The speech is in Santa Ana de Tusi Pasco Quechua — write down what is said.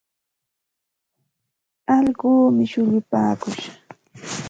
Allquumi shullupaakush.